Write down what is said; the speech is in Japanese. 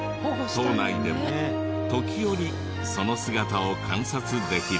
島内でも時折その姿を観察できる。